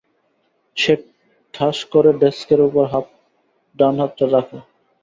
সে ঠাস্ করে ডেস্কের ওপর ডান হাতটা রাখে।